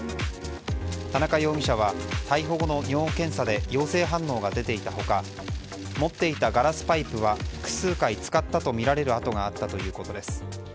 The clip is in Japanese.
田中容疑者は、逮捕後の尿検査で陽性反応が出ていた他持っていたガラスパイプは複数回使ったとみられる跡があったということです。